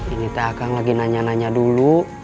ini teh akan lagi nanya nanya dulu